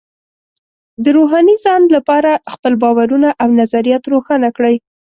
د روحاني ځان لپاره خپل باورونه او نظریات روښانه کړئ.